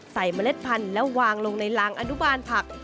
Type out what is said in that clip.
เมล็ดพันธุ์แล้ววางลงในลางอนุบาลผัก